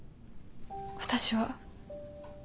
私は。